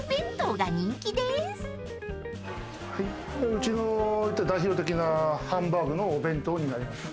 うちの代表的なハンバーグのお弁当になります。